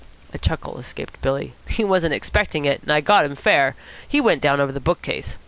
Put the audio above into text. A chuckle escaped Billy. "He wasn't expecting it, and I got him fair. He went down over the bookcase.